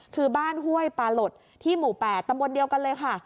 คือบ้านห้วยปลาหลดที่หมู่๘ตำบลเดียวกันเลยค่ะ